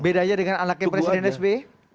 beda aja dengan ala kem presiden sbi